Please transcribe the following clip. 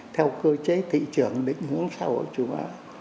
theo cơ chế thị trường định hướng sau của chúng ta